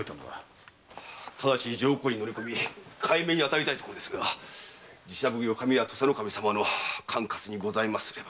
ただちに浄光院に乗り込み解明に当たりたいところですが寺社奉行・神谷土佐守様の管轄にございますれば。